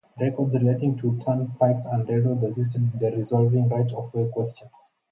Records relating to turnpikes and railroads assisted in resolving right-of-way questions.